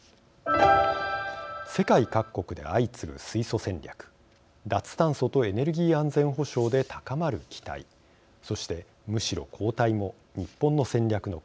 世界各国で相次ぐ水素戦略脱炭素とエネルギー安全保障で高まる期待そしてむしろ後退も日本の戦略の課題です。